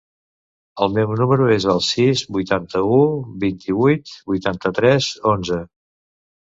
El meu número es el sis, vuitanta-u, vint-i-vuit, vuitanta-tres, onze.